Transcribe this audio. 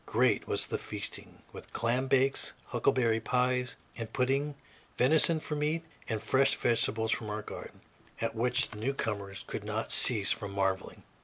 Great was the feasting, with clam bakes, huckleberry pies and puddings, venison for meat, and fresh vegetables from our garden, at which the newcomers could not cease from marveling.